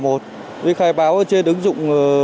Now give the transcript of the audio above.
với khai báo trên ứng dụng